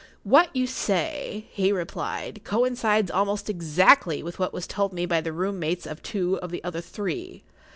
[Pg 31] "What you say," he replied, "coincides almost exactly with what was told me by the room mates of two of the other three.